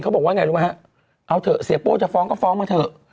บอกว่าไงรู้ไหมฮะเอาเถอะเสียโป้จะฟ้องก็ฟ้องมาเถอะ